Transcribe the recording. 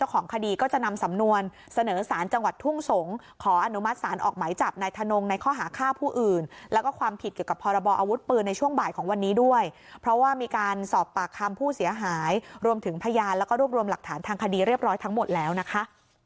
ขออนุมัติศาลออกไหมจับนายทนงในข้อหาค่าผู้อื่นแล้วก็ความผิดเกี่ยวกับพรบอวุธปืนในช่วงบ่ายของวันนี้ด้วยเพราะว่ามีการสอบปากคำผู้เสียหายรวมถึงพยานแล้วก็รวบรวมหลักฐานทางคดีเรียบร้อยทั้งหมดแล้วนะคะ